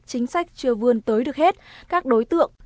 chính sách chưa vươn tới được hết các đối tượng